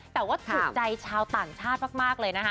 แต่ว่าถูกใจชาวต่างชาติมากเลยนะคะ